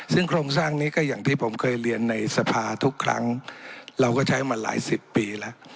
ซึ่งโครงสร้างนี้ก็อย่างที่ผมเคยเรียนในสภาทุกครั้งเราก็ใช้มาหลายสิบปีแล้ว